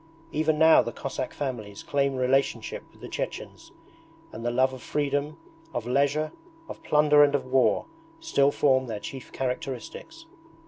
Even now the Cossack families claim relationship with the Chechens, and the love of freedom, of leisure, of plunder and of war, still form their chief characteristics.